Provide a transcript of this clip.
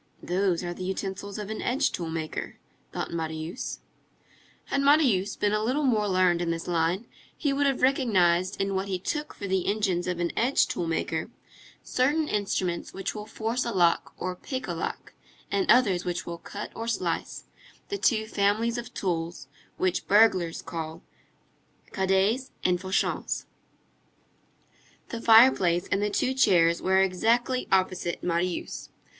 "Those are the utensils of an edge tool maker," thought Marius. Had Marius been a little more learned in this line, he would have recognized in what he took for the engines of an edge tool maker, certain instruments which will force a lock or pick a lock, and others which will cut or slice, the two families of tools which burglars call cadets and fauchants. The fireplace and the two chairs were exactly opposite Marius.